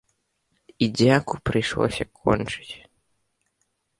І дзяку прыйшлося кончыць.